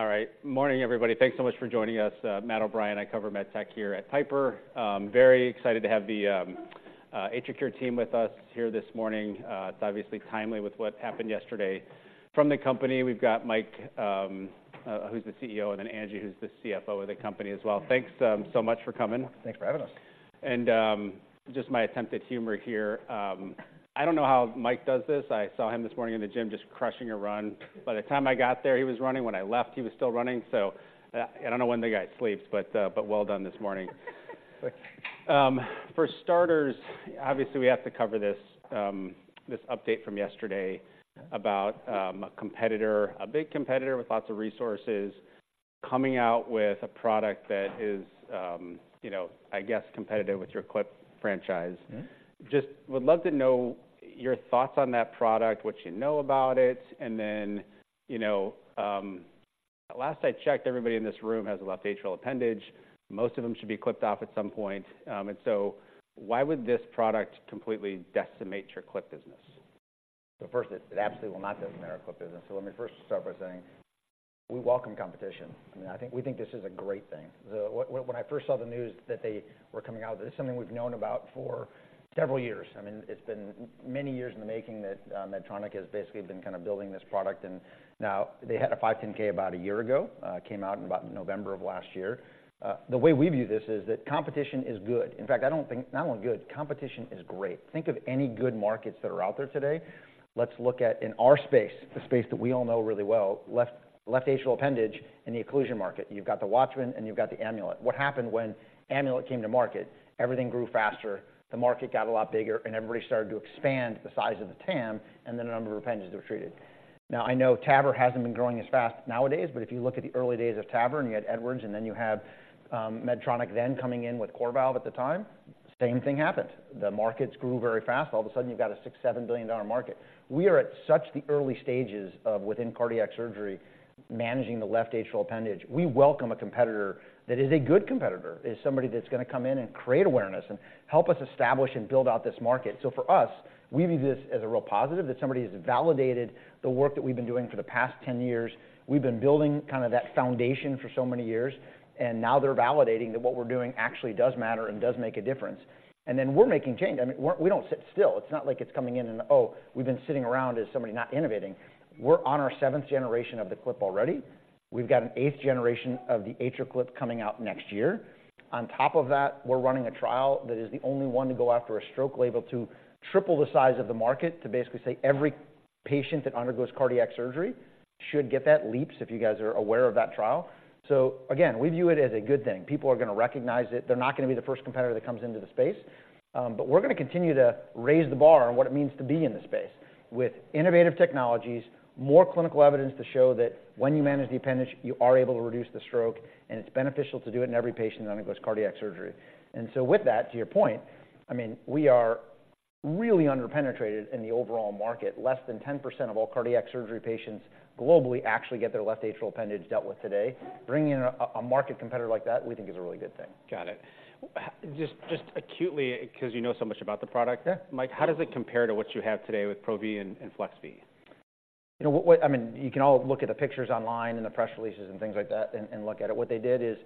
All right. Morning, everybody. Thanks so much for joining us. Matt O'Brien, I cover MedTech here at Piper. Very excited to have the AtriCure team with us here this morning. It's obviously timely with what happened yesterday. From the company, we've got Mike, who's the CEO, and then Angie, who's the CFO of the company as well. Thanks, so much for coming. Thanks for having us. And, just my attempt at humor here, I don't know how Mike does this. I saw him this morning in the gym, just crushing a run. By the time I got there, he was running. When I left, he was still running, so, I don't know when the guy sleeps, but, but well done this morning. For starters, obviously, we have to cover this, this update from yesterday. Yeah About a competitor, a big competitor with lots of resources, coming out with a product that is, you know, I guess competitive with your Clip franchise. Mm-hmm. Just would love to know your thoughts on that product, what you know about it, and then, you know, last I checked, everybody in this room has a left atrial appendage. Most of them should be clipped off at some point. And so why would this product completely decimate your Clip business? So first, it absolutely will not decimate our Clip business. So let me first start by saying, we welcome competition. I mean, I think we think this is a great thing. When I first saw the news that they were coming out, this is something we've known about for several years. I mean, it's been many years in the making that Medtronic has basically been kind of building this product, and now they had a 510(k) about a year ago, came out in about November of last year. The way we view this is that competition is good. In fact, I don't think... Not only good, competition is great. Think of any good markets that are out there today. Let's look at, in our space, the space that we all know really well, left atrial appendage and the occlusion market. You've got the WATCHMAN and you've got the Amulet. What happened when Amulet came to market? Everything grew faster, the market got a lot bigger, and everybody started to expand the size of the TAM and the number of appendages that were treated. Now, I know TAVR hasn't been growing as fast nowadays, but if you look at the early days of TAVR, and you had Edwards, and then you had Medtronic then coming in with CoreValve at the time, same thing happened. The markets grew very fast. All of a sudden, you've got a $6 billion-$7 billion market. We are at such the early stages of within cardiac surgery, managing the left atrial appendage. We welcome a competitor that is a good competitor, is somebody that's going to come in and create awareness and help us establish and build out this market. So for us, we view this as a real positive, that somebody has validated the work that we've been doing for the past 10 years. We've been building kind of that foundation for so many years, and now they're validating that what we're doing actually does matter and does make a difference. And then we're making change. I mean, we don't sit still. It's not like it's coming in and, oh, we've been sitting around as somebody not innovating. We're on our seventh generation of the Clip already. We've got an eighth generation of the AtriClip coming out next year. On top of that, we're running a trial that is the only one to go after a stroke label to triple the size of the market, to basically say every patient that undergoes cardiac surgery should get that LeAAPS, if you guys are aware of that trial. So again, we view it as a good thing. People are going to recognize it. They're not going to be the first competitor that comes into the space, but we're going to continue to raise the bar on what it means to be in this space with innovative technologies, more clinical evidence to show that when you manage the appendage, you are able to reduce the stroke, and it's beneficial to do it in every patient that undergoes cardiac surgery. And so with that, to your point, I mean, we are really underpenetrated in the overall market. Less than 10% of all cardiac surgery patients globally actually get their left atrial appendage dealt with today. Bringing a market competitor like that, we think is a really good thing. Got it. Just, just acutely, because you know so much about the product. Yeah... Mike, how does it compare to what you have today with PRO-V and FLEX-V? You know, what, what—I mean, you can all look at the pictures online and the press releases and things like that and look at it. What they did is,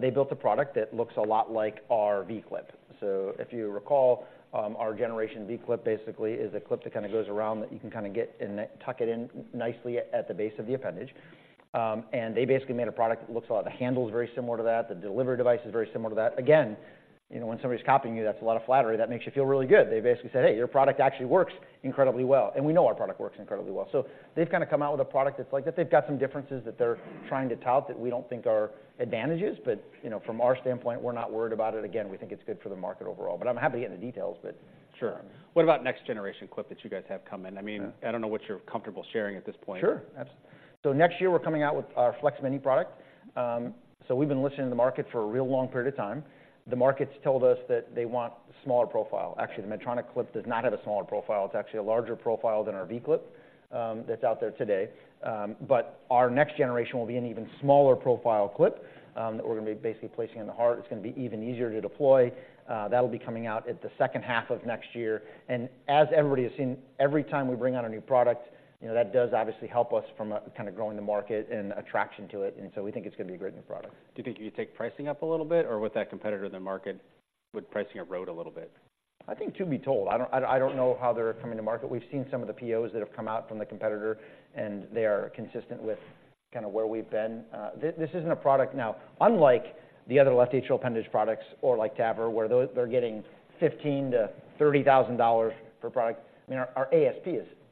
they built a product that looks a lot like our AtriClip. So if you recall, our generation V AtriClip basically is a clip that kind of goes around, that you can kind of get in there, tuck it in nicely at the base of the appendage. And they basically made a product that looks a lot. The handle is very similar to that. The delivery device is very similar to that. Again, you know, when somebody's copying you, that's a lot of flattery. That makes you feel really good. They basically said, "Hey, your product actually works incredibly well." And we know our product works incredibly well. So they've kind of come out with a product that's like that. They've got some differences that they're trying to tout that we don't think are advantages, but, you know, from our standpoint, we're not worried about it. Again, we think it's good for the market overall, but I'm happy to get into details, but- Sure. What about next generation Clip that you guys have coming? I mean- Yeah... I don't know what you're comfortable sharing at this point. Sure. So next year, we're coming out with our Flex Mini product. So we've been listening to the market for a real long period of time. The market's told us that they want a smaller profile. Actually, the Medtronic Clip does not have a smaller profile. It's actually a larger profile than our V Clip that's out there today. But our next generation will be an even smaller profile clip that we're going to be basically placing in the heart. It's going to be even easier to deploy. That'll be coming out at the second half of next year. And as everybody has seen, every time we bring out a new product, you know, that does obviously help us from a kind of growing the market and attraction to it, and so we think it's going to be a great new product. Do you think you take pricing up a little bit, or with that competitor in the market, would pricing erode a little bit? I think to be told, I don't know how they're coming to market. We've seen some of the POs that have come out from the competitor, and they are consistent with kind of where we've been. This isn't a product now. Unlike the other left atrial appendage products or like TAVR, where they're getting $15,000-$30,000 per product, I mean, our ASP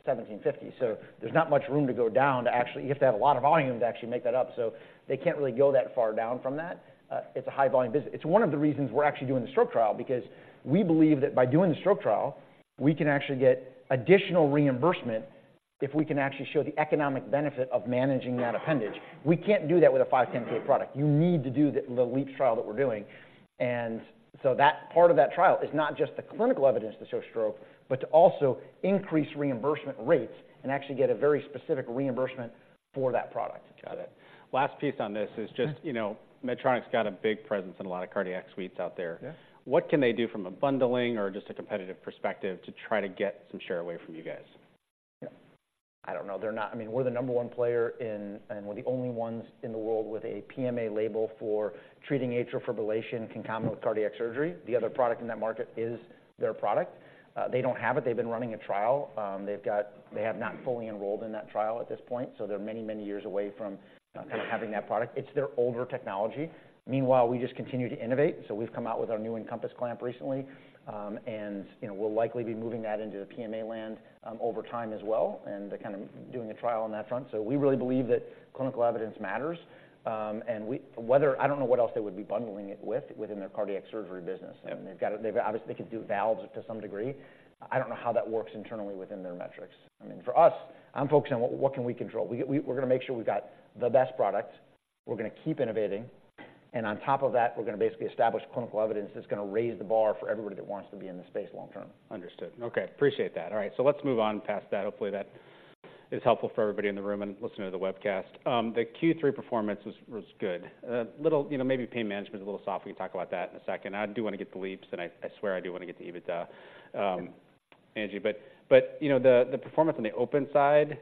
is $1,750, so there's not much room to go down to actually... You have to have a lot of volume to actually make that up, so they can't really go that far down from that. It's a high-volume business. It's one of the reasons we're actually doing the stroke trial, because we believe that by doing the stroke trial, we can actually get additional reimbursement if we can actually show the economic benefit of managing that appendage. We can't do that with a 510(k) product. You need to do the LeAAPS trial that we're doing. And so that part of that trial is not just the clinical evidence to show stroke, but to also increase reimbursement rates and actually get a very specific reimbursement for that product. Got it. Last piece on this is just- Mm-hmm... you know, Medtronic's got a big presence in a lot of cardiac suites out there. Yeah. What can they do from a bundling or just a competitive perspective to try to get some share away from you guys? Yeah.... I don't know, they're not—I mean, we're the number one player in, and we're the only ones in the world with a PMA label for treating atrial fibrillation concomitant with cardiac surgery. The other product in that market is their product. They don't have it. They've been running a trial. They've got—they have not fully enrolled in that trial at this point, so they're many, many years away from, kind of having that product. It's their older technology. Meanwhile, we just continue to innovate, so we've come out with our new Encompass clamp recently. And, you know, we'll likely be moving that into the PMA land, over time as well, and they're kind of doing a trial on that front. So we really believe that clinical evidence matters. I don't know what else they would be bundling it with within their cardiac surgery business. I mean, they've got. They've obviously. They could do valves to some degree. I don't know how that works internally within their metrics. I mean, for us, I'm focused on what can we control? We're gonna make sure we've got the best product. We're gonna keep innovating, and on top of that, we're gonna basically establish clinical evidence that's gonna raise the bar for everybody that wants to be in this space long term. Understood. Okay, appreciate that. All right, so let's move on past that. Hopefully, that is helpful for everybody in the room and listening to the webcast. The Q3 performance was good. A little, you know, maybe pain management is a little soft. We can talk about that in a second. I do want to get to LeAAPS, and I swear I do want to get to EBITDA, Angie. But, you know, the performance on the open side,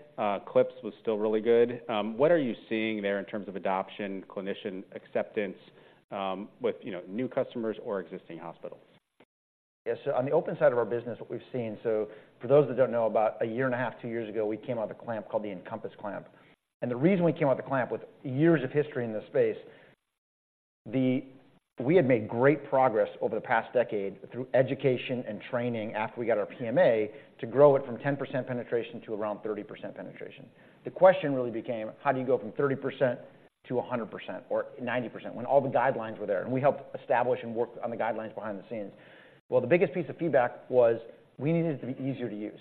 clips was still really good. What are you seeing there in terms of adoption, clinician acceptance, with, you know, new customers or existing hospitals? Yes, so on the open side of our business, what we've seen... So for those that don't know, about 1.5 years, 2 years ago, we came out with a clamp called the Encompass clamp. And the reason we came out with a clamp with years of history in this space, we had made great progress over the past decade through education and training after we got our PMA to grow it from 10% penetration to around 30% penetration. The question really became: How do you go from 30%-100% or 90% when all the guidelines were there? And we helped establish and work on the guidelines behind the scenes. Well, the biggest piece of feedback was we needed it to be easier to use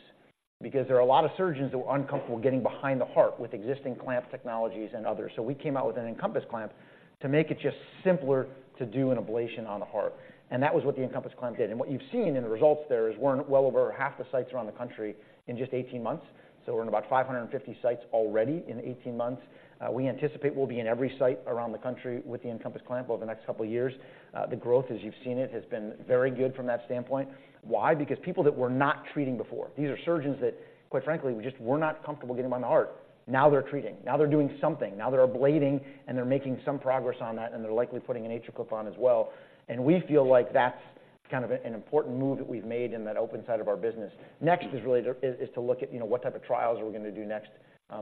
because there are a lot of surgeons that were uncomfortable getting behind the heart with existing clamp technologies and others. So we came out with an Encompass clamp to make it just simpler to do an ablation on the heart, and that was what the Encompass clamp did. And what you've seen in the results there is we're in well over half the sites around the country in just 18 months, so we're in about 550 sites already in 18 months. We anticipate we'll be in every site around the country with the Encompass clamp over the next couple of years. The growth, as you've seen it, has been very good from that standpoint. Why? Because people that were not treating before, these are surgeons that, quite frankly, were just not comfortable getting behind the heart. Now they're treating, now they're doing something. Now they're ablating, and they're making some progress on that, and they're likely putting an AtriClip on as well. And we feel like that's kind of an important move that we've made in that open side of our business. Next is really to look at, you know, what type of trials we're going to do next,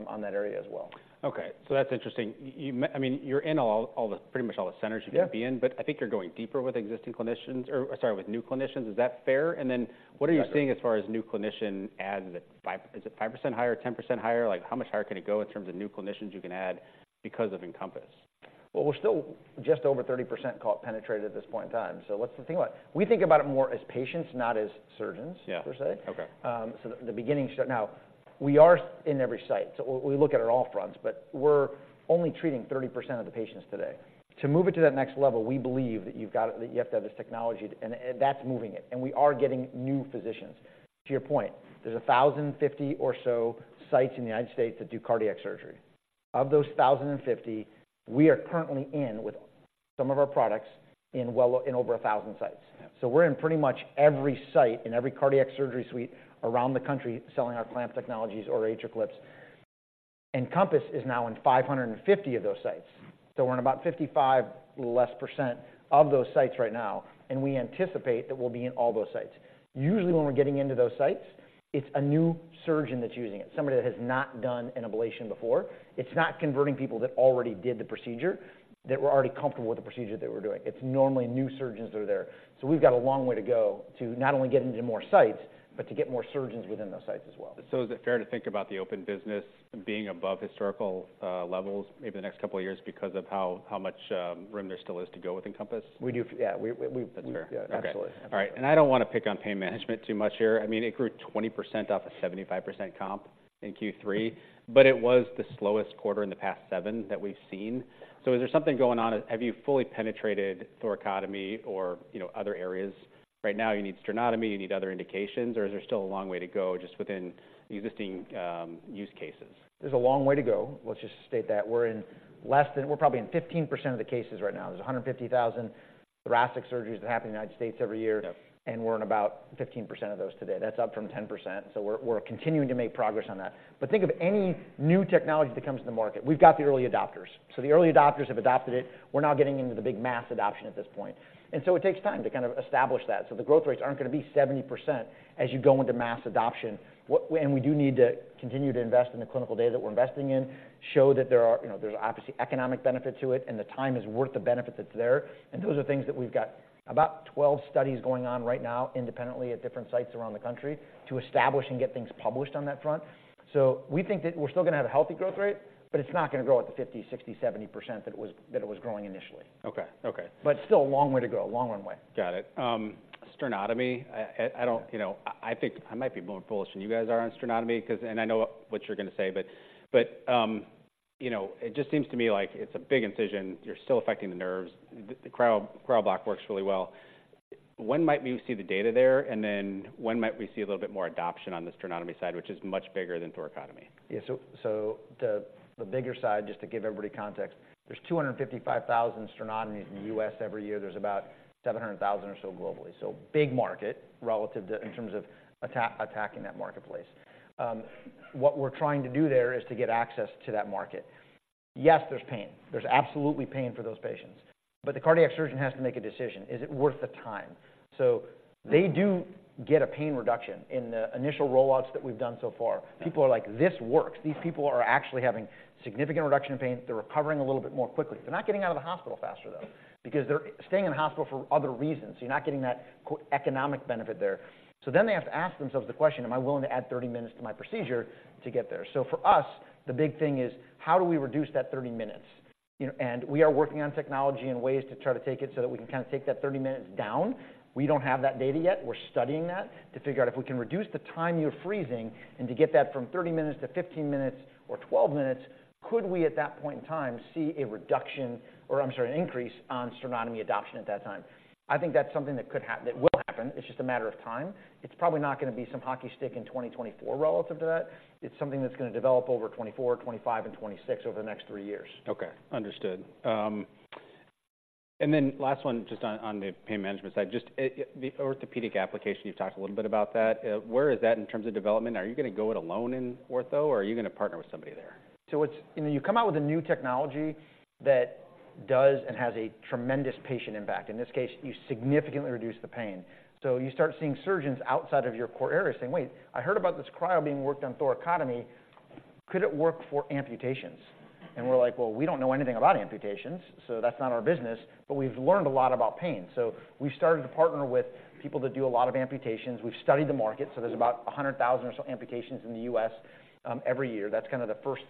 on that area as well. Okay, so that's interesting. I mean, you're in all, all the, pretty much all the centers you're gonna be in- Yeah... but I think you're going deeper with existing clinicians or, sorry, with new clinicians. Is that fair? And then what are you seeing as far as new clinician adds? Is it 5% higher, 10% higher? Like, how much higher can it go in terms of new clinicians you can add because of Encompass? Well, we're still just over 30% penetrated at this point in time. So what's the thing about it? We think about it more as patients, not as surgeons- Yeah... per se. Okay. So the beginning start now, we are in every site. So we look at it on all fronts, but we're only treating 30% of the patients today. To move it to that next level, we believe that you've got it- that you have to have this technology, and, and that's moving it, and we are getting new physicians. To your point, there's 1,050 or so sites in the United States that do cardiac surgery. Of those 1,050, we are currently in with some of our products in well over, in over 1,000 sites. Yeah. So we're in pretty much every site, in every cardiac surgery suite around the country, selling our clamp technologies or AtriClips. Encompass is now in 550 of those sites. We're in about 55% or less of those sites right now, and we anticipate that we'll be in all those sites. Usually, when we're getting into those sites, it's a new surgeon that's using it, somebody that has not done an ablation before. It's not converting people that already did the procedure, that were already comfortable with the procedure they were doing. It's normally new surgeons that are there. We've got a long way to go to not only get into more sites but to get more surgeons within those sites as well. Is it fair to think about the open business being above historical levels, maybe the next couple of years, because of how much room there still is to go with Encompass? Yeah, we... That's fair. Yeah, absolutely. All right. And I don't want to pick on pain management too much here. I mean, it grew 20% off a 75% comp in Q3, but it was the slowest quarter in the past seven that we've seen. So is there something going on? Have you fully penetrated thoracotomy or, you know, other areas? Right now, you need sternotomy, you need other indications, or is there still a long way to go just within the existing use cases? There's a long way to go. Let's just state that. We're probably in 15% of the cases right now. There's 150,000 thoracic surgeries that happen in the United States every year. Yeah. We're in about 15% of those today. That's up from 10%, so we're continuing to make progress on that. Think of any new technology that comes to the market. We've got the early adopters. The early adopters have adopted it. We're now getting into the big mass adoption at this point. It takes time to kind of establish that. The growth rates aren't going to be 70% as you go into mass adoption. And we do need to continue to invest in the clinical data that we're investing in, show that there are, you know, there's obviously economic benefit to it, and the time is worth the benefit that's there. Those are things that we've got about 12 studies going on right now, independently at different sites around the country, to establish and get things published on that front. We think that we're still going to have a healthy growth rate, but it's not going to grow at the 50, 60, 70% that it was, that it was growing initially. Okay. Okay. But still a long way to go, a long runway. Got it. Sternotomy, I don't, you know, I think I might be more bullish than you guys are on sternotomy because... I know what you're going to say, but, you know, it just seems to me like it's a big incision. You're still affecting the nerves. The cryo block works really well. When might we see the data there, and then when might we see a little bit more adoption on the sternotomy side, which is much bigger than thoracotomy? Yeah. So the bigger side, just to give everybody context, there's 255,000 sternotomies in the U.S. every year. There's about 700,000 or so globally. So big market relative to, in terms of attack, attacking that marketplace. What we're trying to do there is to get access to that market. Yes, there's pain. There's absolutely pain for those patients, but the cardiac surgeon has to make a decision. Is it worth the time? So they do get a pain reduction in the initial rollouts that we've done so far. People are like: "This works." These people are actually having significant reduction in pain. They're recovering a little bit more quickly. They're not getting out of the hospital faster, though, because they're staying in the hospital for other reasons. You're not getting that, quote, "economic benefit" there. So then they have to ask themselves the question: Am I willing to add 30 minutes to my procedure to get there? So for us, the big thing is, how do we reduce that 30 minutes? You know, and we are working on technology and ways to try to take it so that we can kind of take that 30 minutes down. We don't have that data yet. We're studying that to figure out if we can reduce the time you're freezing and to get that from 30 minutes to 15 minutes or 12 minutes, could we, at that point in time, see a reduction, or I'm sorry, an increase on sternotomy adoption at that time? I think that's something that could happen, that will happen. It's just a matter of time. It's probably not going to be some hockey stick in 2024 relative to that. It's something that's going to develop over 2024, 2025, and 2026, over the next three years. Okay, understood. And then last one, just on the pain management side, just the orthopedic application, you've talked a little bit about that. Where is that in terms of development? Are you going to go it alone in ortho, or are you going to partner with somebody there? So it's, you know, you come out with a new technology that does and has a tremendous patient impact. In this case, you significantly reduce the pain. So you start seeing surgeons outside of your core area saying: "Wait, I heard about this cryo being worked on thoracotomy. Could it work for amputations?" And we're like: "Well, we don't know anything about amputations, so that's not our business, but we've learned a lot about pain." So we've started to partner with people that do a lot of amputations. We've studied the market, so there's about 100,000 or so amputations in the US every year. That's kind of the first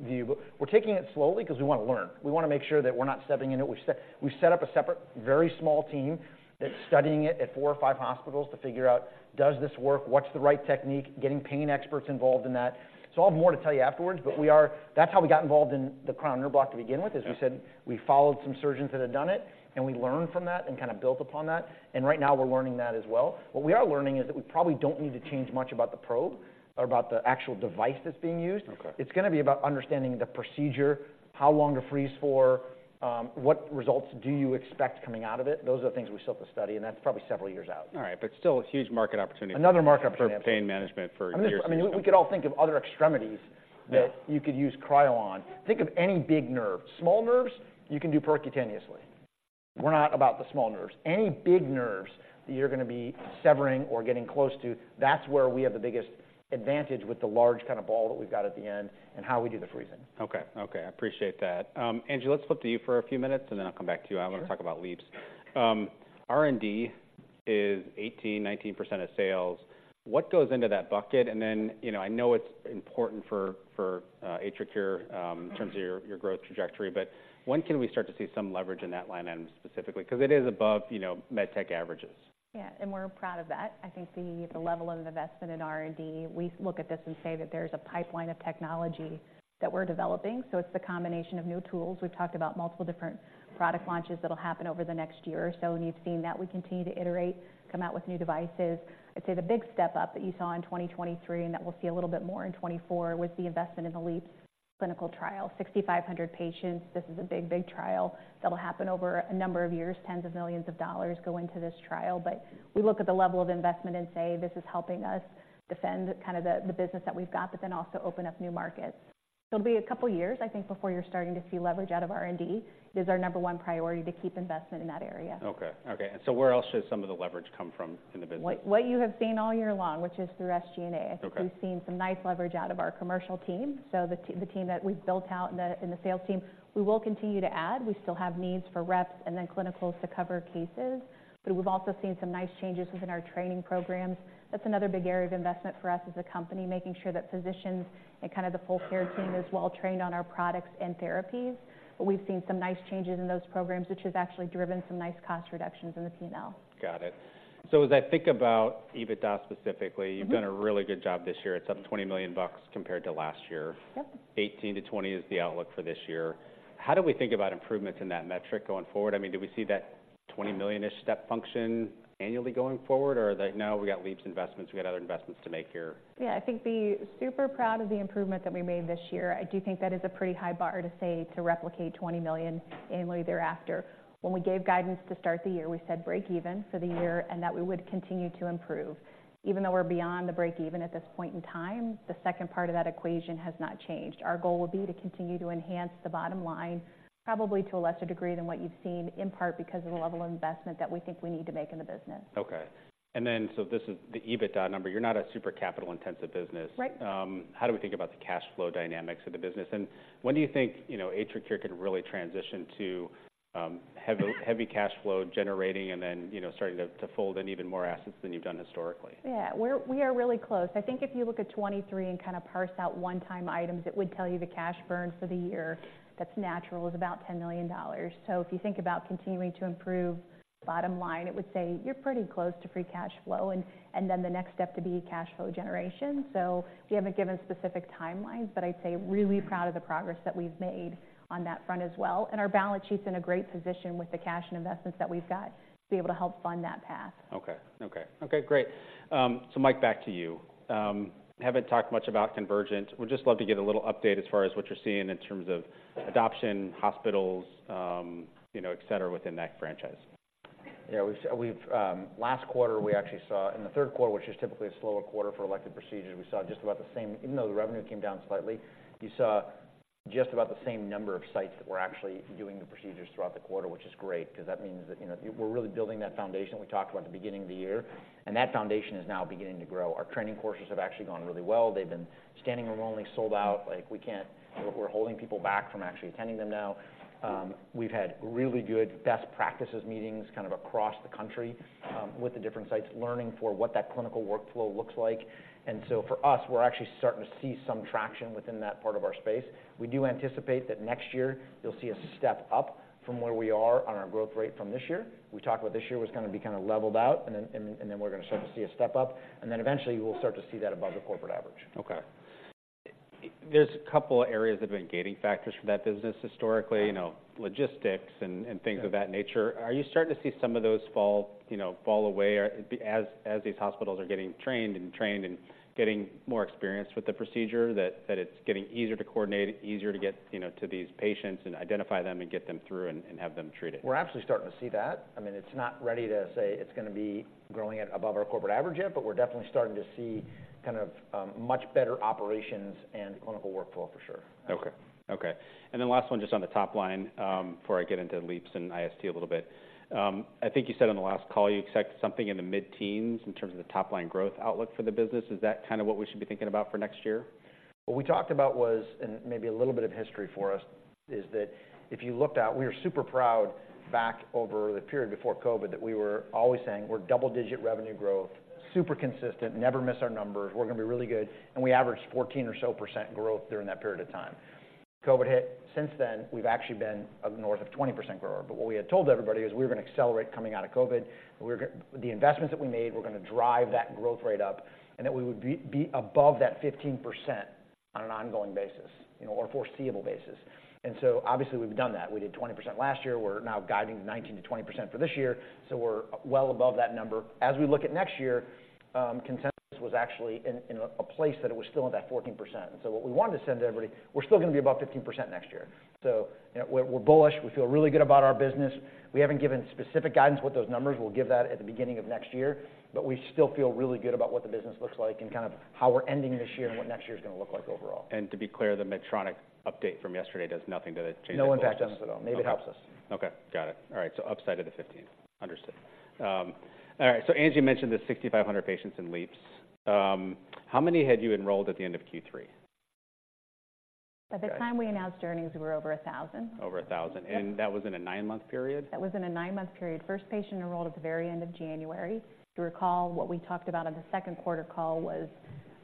view. But we're taking it slowly because we want to learn. We want to make sure that we're not stepping in it. We set up a separate, very small team that's studying it at four or five hospitals to figure out, does this work? What's the right technique? Getting pain experts involved in that. So I'll have more to tell you afterwards, but we are. That's how we got involved in the cryoneuro block to begin with. Yeah. As we said, we followed some surgeons that had done it, and we learned from that and kind of built upon that, and right now we're learning that as well. What we are learning is that we probably don't need to change much about the probe or about the actual device that's being used. Okay. It's going to be about understanding the procedure, how long to freeze for, what results do you expect coming out of it? Those are the things we still have to study, and that's probably several years out. All right, but still a huge market opportunity- Another market opportunity for pain management for years. I mean, we could all think of other extremities- Yeah that you could use cryo on. Think of any big nerve. Small nerves, you can do percutaneously. We're not about the small nerves. Any big nerves that you're going to be severing or getting close to, that's where we have the biggest advantage with the large kind of ball that we've got at the end and how we do the freezing. Okay. Okay, I appreciate that. Angie, let's flip to you for a few minutes, and then I'll come back to you. Sure. I want to talk about LeAAPS. R&D is 18%-19% of sales. What goes into that bucket? And then, you know, I know it's important for AtriCure, in terms of your growth trajectory, but when can we start to see some leverage in that line item, specifically? Because it is above, you know, med tech averages. Yeah, and we're proud of that. I think the, the level of investment in R&D, we look at this and say that there's a pipeline of technology that we're developing. So it's the combination of new tools. We've talked about multiple different product launches that'll happen over the next year or so, and you've seen that we continue to iterate, come out with new devices. I'd say the big step up that you saw in 2023, and that we'll see a little bit more in 2024, was the investment in the LeAAPS clinical trial, 6,500 patients. This is a big, big trial that'll happen over a number of years. Tens of millions of dollars go into this trial. But we look at the level of investment and say, this is helping us defend kind of the, the business that we've got, but then also open up new markets. So it'll be a couple of years, I think, before you're starting to see leverage out of R&D. It is our number one priority to keep investment in that area. Okay. Okay, and so where else does some of the leverage come from in the business? What, what you have seen all year long, which is through SG&A. Okay. I think we've seen some nice leverage out of our commercial team. So the team that we've built out in the sales team, we will continue to add. We still have needs for reps and then clinicals to cover cases, but we've also seen some nice changes within our training programs. That's another big area of investment for us as a company, making sure that physicians and kind of the full care team is well trained on our products and therapies. But we've seen some nice changes in those programs, which has actually driven some nice cost reductions in the P&L. Got it. So as I think about EBITDA specifically- Mm-hmm... you've done a really good job this year. It's up $20 million compared to last year. Yep. $18 million-$20 million is the outlook for this year. How do we think about improvements in that metric going forward? I mean, do we see that $20 million-ish step function annually going forward, or are they, "No, we got LeAAPS investments, we got other investments to make here? Yeah, I think super proud of the improvement that we made this year. I do think that is a pretty high bar to say to replicate $20 million annually thereafter. When we gave guidance to start the year, we said break even for the year and that we would continue to improve. Even though we're beyond the break even at this point in time, the second part of that equation has not changed. Our goal will be to continue to enhance the bottom line, probably to a lesser degree than what you've seen, in part because of the level of investment that we think we need to make in the business. Okay. This is the EBITDA number. You're not a super capital-intensive business. Right. How do we think about the cash flow dynamics of the business? And when do you think, you know, AtriCure can really transition to heavy, heavy cash flow generating and then, you know, starting to, to fold in even more assets than you've done historically? Yeah. We are really close. I think if you look at 2023 and kind of parse out one-time items, it would tell you the cash burn for the year that's natural is about $10 million. So if you think about continuing to improve bottom line, it would say you're pretty close to free cash flow, and then the next step to be cash flow generation. So we haven't given specific timelines, but I'd say really proud of the progress that we've made on that front as well. And our balance sheet's in a great position with the cash and investments that we've got to be able to help fund that path. Okay, great. So Mike, back to you. Haven't talked much about Convergent. Would just love to get a little update as far as what you're seeing in terms of adoption, hospitals, you know, et cetera, within that franchise.... you know, last quarter, we actually saw, in the third quarter, which is typically a slower quarter for elective procedures, we saw just about the same. Even though the revenue came down slightly, you saw just about the same number of sites that were actually doing the procedures throughout the quarter, which is great, 'cause that means that, you know, we're really building that foundation we talked about at the beginning of the year, and that foundation is now beginning to grow. Our training courses have actually gone really well. They've been standing room only, sold out. Like, we can't. We're holding people back from actually attending them now. We've had really good best practices meetings kind of across the country, with the different sites, learning for what that clinical workflow looks like. And so for us, we're actually starting to see some traction within that part of our space. We do anticipate that next year you'll see a step up from where we are on our growth rate from this year. We talked about this year was gonna be kind of leveled out, and then, and then, and then we're gonna start to see a step up, and then eventually we'll start to see that above the corporate average. Okay. There's a couple of areas that have been gating factors for that business historically, you know, logistics and things of that nature. Are you starting to see some of those fall, you know, fall away or as these hospitals are getting trained and getting more experienced with the procedure, that it's getting easier to coordinate, easier to get, you know, to these patients and identify them and get them through and have them treated? We're absolutely starting to see that. I mean, it's not ready to say it's gonna be growing at above our corporate average yet, but we're definitely starting to see kind of, much better operations and clinical workflow for sure. Okay. Okay, and then last one, just on the top line, before I get into LeAAPS and HEAL-IST a little bit. I think you said on the last call, you expect something in the mid-teens in terms of the top-line growth outlook for the business. Is that kind of what we should be thinking about for next year? What we talked about was, and maybe a little bit of history for us, is that if you looked at... We were super proud back over the period before COVID, that we were always saying: We're double-digit revenue growth, super consistent, never miss our numbers. We're gonna be really good, and we averaged 14 or so percent growth during that period of time. COVID hit. Since then, we've actually been north of 20% grower. But what we had told everybody is we were gonna accelerate coming out of COVID. The investments that we made were gonna drive that growth rate up, and that we would be above that 15% on an ongoing basis, you know, or foreseeable basis. And so obviously, we've done that. We did 20% last year. We're now guiding 19%-20% for this year, so we're well above that number. As we look at next year, consensus was actually in a place that it was still in that 14%. So what we wanted to send to everybody, we're still gonna be about 15% next year. So, you know, we're bullish. We feel really good about our business. We haven't given specific guidance what those numbers, we'll give that at the beginning of next year, but we still feel really good about what the business looks like and kind of how we're ending this year and what next year is gonna look like overall. To be clear, the Medtronic update from yesterday does nothing to change- No impact to us at all. Maybe it helps us. Okay, got it. All right, so upside of the 15. Understood. All right, so Angie mentioned the 6,500 patients in LeAAPS. How many had you enrolled at the end of Q3? By the time we announced earnings, we were over 1,000. Over 1,000. Yep. That was in a nine-month period? That was in a nine-month period. First patient enrolled at the very end of January. If you recall, what we talked about on the second quarter call was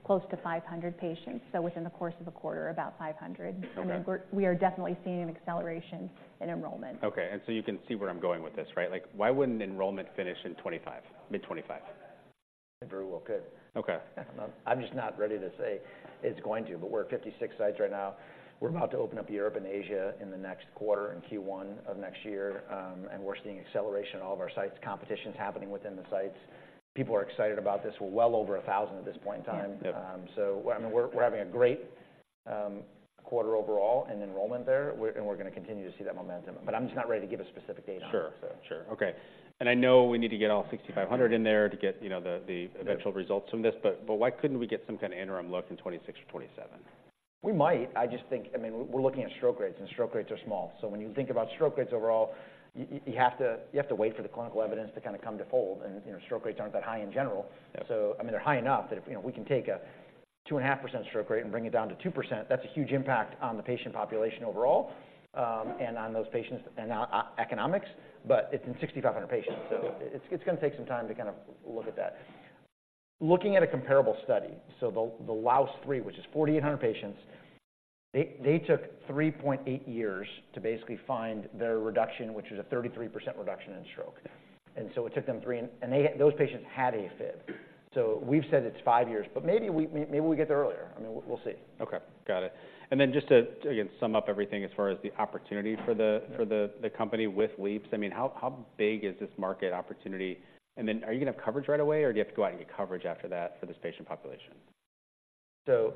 close to 500 patients, so within the course of a quarter, about 500. Okay. We are definitely seeing an acceleration in enrollment. Okay, and so you can see where I'm going with this, right? Like, why wouldn't enrollment finish in 2025, mid-2025? It very well could. Okay. I'm just not ready to say it's going to, but we're at 56 sites right now. We're about to open up Europe and Asia in the next quarter, in Q1 of next year, and we're seeing acceleration in all of our sites. Competition's happening within the sites. People are excited about this. We're well over 1,000 at this point in time. Yep. Yep. So, I mean, we're having a great quarter overall in enrollment there. And we're gonna continue to see that momentum, but I'm just not ready to give a specific date on it, so. Sure. Sure. Okay, and I know we need to get all 6,500 in there to get, you know, the, the- Yep... eventual results from this, but, but why couldn't we get some kind of interim look in 2026 or 2027? We might. I just think... I mean, we're looking at stroke rates, and stroke rates are small. So when you think about stroke rates overall, you have to, you have to wait for the clinical evidence to kind of come to fold, and, you know, stroke rates aren't that high in general. Yep. So, I mean, they're high enough that if, you know, we can take a 2.5% stroke rate and bring it down to 2%, that's a huge impact on the patient population overall, and on those patients and economics, but it's in 6,500 patients, so it's gonna take some time to kind of look at that. Looking at a comparable study, so the LAAOS III, which is 4,800 patients, they took 3.8 years to basically find their reduction, which is a 33% reduction in stroke. Yeah. It took them 3, and those patients had AFib. So we've said it's five years, but maybe we'll get there earlier. I mean, we'll see. Okay, got it. And then just to, again, sum up everything as far as the opportunity for the- Yep... for the company with LeAAPS, I mean, how big is this market opportunity? And then, are you gonna have coverage right away, or do you have to go out and get coverage after that for this patient population? So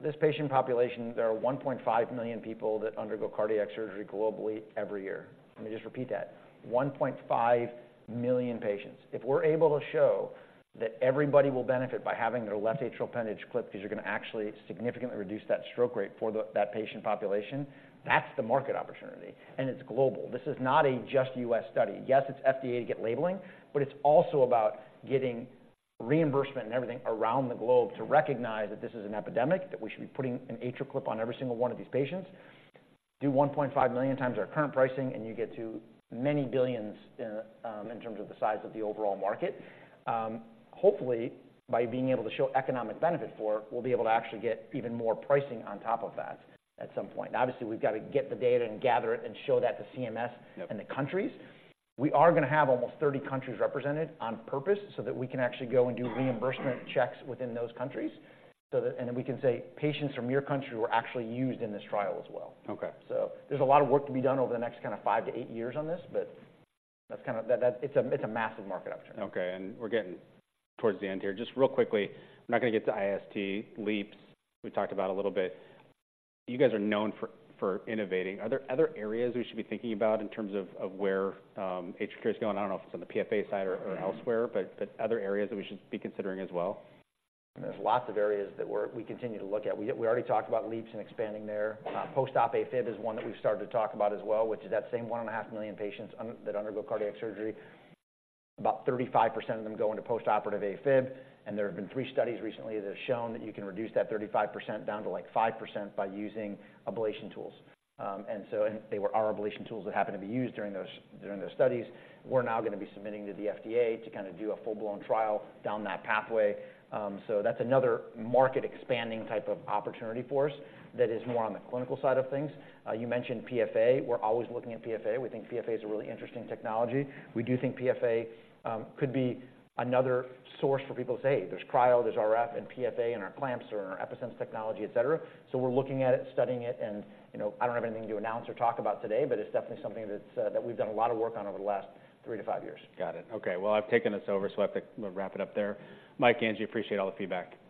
this patient population, there are 1.5 million people that undergo cardiac surgery globally every year. Let me just repeat that, 1.5 million patients. If we're able to show that everybody will benefit by having their left atrial appendage clipped, because you're gonna actually significantly reduce that stroke rate for that patient population, that's the market opportunity, and it's global. This is not just a U.S. study. Yes, it's FDA to get labeling, but it's also about getting reimbursement and everything around the globe to recognize that this is an epidemic, that we should be putting an AtriClip on every single one of these patients. Do 1.5 million times our current pricing, and you get to $many billions in terms of the size of the overall market. Hopefully, by being able to show economic benefit for it, we'll be able to actually get even more pricing on top of that at some point. Obviously, we've got to get the data and gather it and show that to CMS- Yep... and the countries. We are gonna have almost 30 countries represented on purpose, so that we can actually go and do reimbursement checks within those countries. So that and then we can say, "Patients from your country were actually used in this trial as well. Okay. So there's a lot of work to be done over the next kind of five to eight years on this, but that's kind of... it's a massive market opportunity. Okay, and we're getting towards the end here. Just real quickly, I'm not gonna get to IST. LeAAPS, we talked about a little bit. You guys are known for innovating. Are there other areas we should be thinking about in terms of where AtriCure is going? I don't know if it's on the PFA side or elsewhere, but other areas that we should be considering as well? There's lots of areas that we continue to look at. We already talked about LeAAPS and expanding there. Post-op AFib is one that we've started to talk about as well, which is that same 1.5 million patients that undergo cardiac surgery. About 35% of them go into post-operative AFib, and there have been three studies recently that have shown that you can reduce that 35% down to, like, 5% by using ablation tools. And so, and they were our ablation tools that happened to be used during those studies. We're now gonna be submitting to the FDA to kind of do a full-blown trial down that pathway. So that's another market expanding type of opportunity for us that is more on the clinical side of things. You mentioned PFA. We're always looking at PFA. We think PFA is a really interesting technology. We do think PFA could be another source for people to say, "There's cryo, there's RF, and PFA, and our clamps or our EpiSense technology, et cetera." So we're looking at it, studying it, and, you know, I don't have anything to announce or talk about today, but it's definitely something that's, that we've done a lot of work on over the last three to five years. Got it. Okay, well, I've taken us over, so I have to wrap it up there. Mike, Angie, appreciate all the feedback.